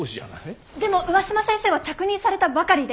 でも上嶋先生は着任されたばかりで。